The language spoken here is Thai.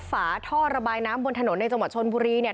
ฝาท่อระบายน้ำบนถนนในจังหวัดชนบุรีเนี่ย